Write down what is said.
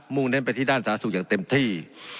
่งเน้นไปที่ด้านสาธารณสุขอย่างเต็มที่